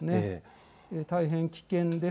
大変危険です。